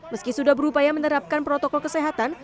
meski sudah berupaya menerapkan protokol kesehatan